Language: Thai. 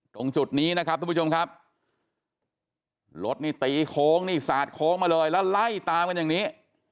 ตรงจุดนี้นะครับทุกผู้ชมครับรถนี่ตีโค้งนี่สาดโค้งมาเลยแล้วไล่ตามกันอย่างนี้